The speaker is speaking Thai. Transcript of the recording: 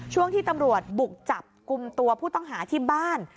ช่วงที่ตำรวจบุกจับกลุ่มตัวผู้ต้องหาที่บ้าน